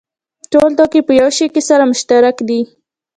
ټول توکي په یوه شي کې سره مشترک دي